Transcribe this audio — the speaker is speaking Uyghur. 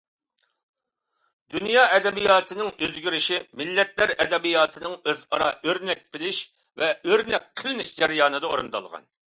دۇنيا ئەدەبىياتىنىڭ ئۆزگىرىشى مىللەتلەر ئەدەبىياتىنىڭ ئۆز ئارا ئۆرنەك قىلىش ۋە ئۆرنەك قىلىنىش جەريانىدا ئورۇندالغان.